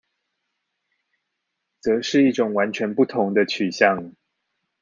則是一種完全不同的取向